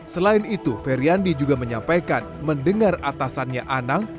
selain itu feryandi juga menyampaikan mendengar atasannya anang